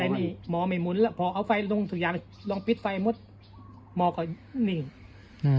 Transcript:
แล้วมีไม่มุนแล้วพอเอาไฟลงทุกอย่างลองปิดไฟหมดมอก็นิ่งอ่า